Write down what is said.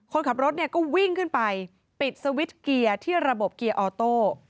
คนขับรถเนี่ยก็วิ่งขึ้นไปปิดสวิตช์เกียร์ที่ระบบเกียร์ออโต้